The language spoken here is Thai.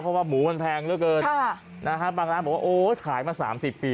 เพราะว่าหมูมันแพงเหลือเกินบางร้านบอกว่าโอ้ยขายมา๓๐ปี